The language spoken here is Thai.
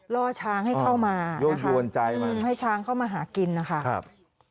ล่อช้างให้เข้ามายวนใจมันให้ช้างเข้ามาหากินนะคะครับ